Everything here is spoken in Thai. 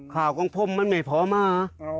ของผมมันไม่พอมา